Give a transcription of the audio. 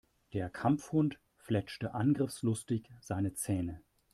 Der Kampfhund fletschte angriffslustig seine Zähne.